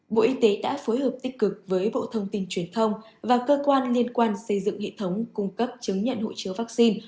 bộ y tế đã phối hợp tích cực với bộ thông tin truyền thông và cơ quan liên quan xây dựng hệ thống cung cấp chứng nhận hộ chiếu vaccine